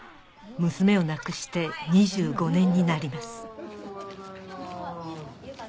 娘を亡くして２５年になります